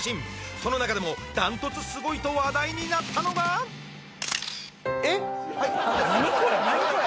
その中でもダントツすごいと話題になったのが何これ？